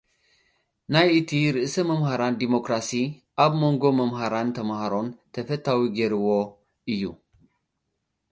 ናይ እቲ ርእሰ መምህራን ዲሞክራሲ፡ ኣብ መንጎ መምሃራንን ተማሃሮን ተፈታዊ ገይርዎ እዩ።